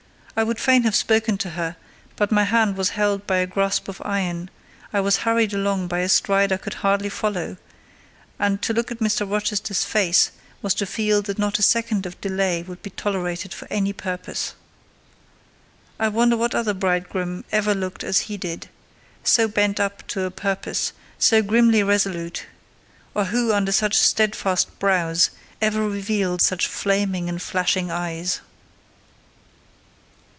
I would fain have spoken to her, but my hand was held by a grasp of iron: I was hurried along by a stride I could hardly follow; and to look at Mr. Rochester's face was to feel that not a second of delay would be tolerated for any purpose. I wonder what other bridegroom ever looked as he did—so bent up to a purpose, so grimly resolute: or who, under such steadfast brows, ever revealed such flaming and flashing eyes.